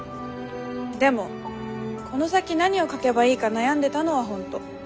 でもこの先何を書けばいいか悩んでたのは本当。